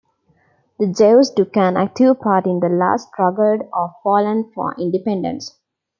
The Jews took an active part in this last struggle of Poland for independence.